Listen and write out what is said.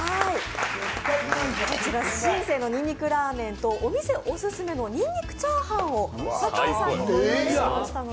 新世のにんにくラーメンとお店オススメのにんにくチャーハンを酒井さんにご用意しましたので。